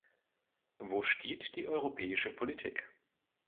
Wo steht die europäische Politik?